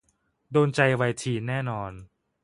โดนใจวัยทีนแน่นอน